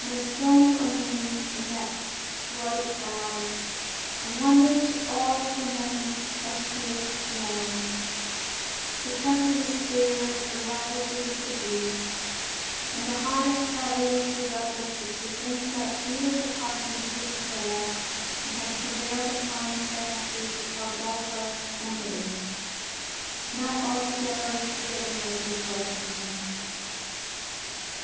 And a stone it remains in that bright valley, a wonder to all the men of Ceyx's land. The country was spared the ravages of the beast. And the heart of Peleus was uplifted to think that Thetis had harkened to his prayer and had prevailed upon Psamathe to forego her enmity. Not altogether unforgiving was his wife to him.